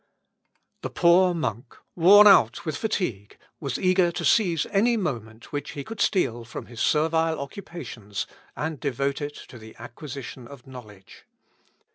The poor monk, worn out with fatigue, was eager to seize any moment which he could steal from his servile occupations, and devote it to the acquisition of knowledge.